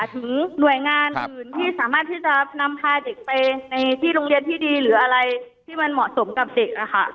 ถึงหน่วยงานอื่นที่สามารถที่จะนำพาเด็กไปในที่โรงเรียนที่ดีหรืออะไรที่มันเหมาะสมกับเด็ก